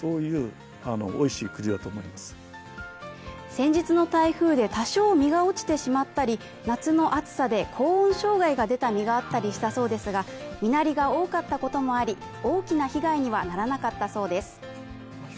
先日の台風で多少実が落ちてしまったり夏の暑さで高温障害が出た実があったりしたそうですが、実りが多かったことで大きな被害にはならなかったそうです。